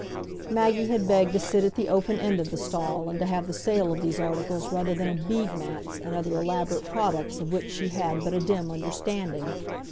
Maggie had begged to sit at the open end of the stall, and to have the sale of these articles rather than of bead mats and other elaborate products of which she had but a dim understanding.